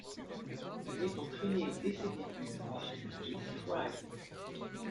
Il est entrainé dès ses débuts par Curtis Frye.